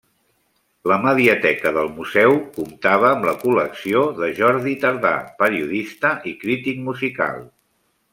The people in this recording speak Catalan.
La mediateca del museu, comptava amb la col·lecció de Jordi Tardà, periodista i crític musical.